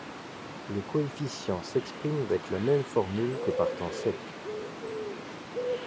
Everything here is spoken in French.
Le coefficient s’exprime avec la même formule que par temps sec.